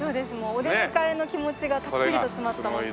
お出迎えの気持ちがたっぷりと詰まった門ですね。